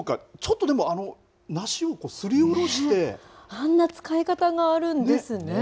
あんな使い方があるんですね。